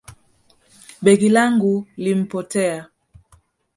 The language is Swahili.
Begi langu limpoteya